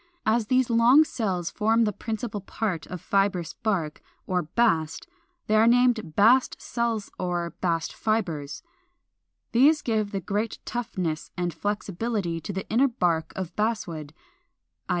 As these long cells form the principal part of fibrous bark, or bast, they are named Bast cells or Bast fibres. These give the great toughness and flexibility to the inner bark of Basswood (i.